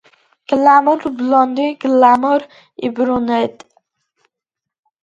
გლამურ ბლონდი გლამორ იბრუნეეეტტტ